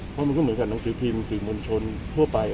เพราะมันก็เหมือนกับหนังสือพิมพ์สื่อมวลชนทั่วไป